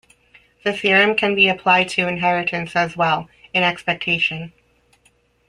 The theorem can be applied to inheritance as well, in expectation.